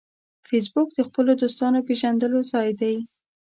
فېسبوک د خپلو دوستانو پېژندلو ځای دی